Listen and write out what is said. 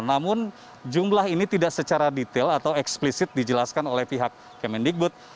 namun jumlah ini tidak secara detail atau eksplisit dijelaskan oleh pihak kemendikbud